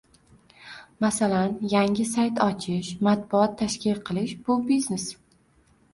«Masalan, yangi sayt ochish, matbuot tashkil qilish bu – biznes.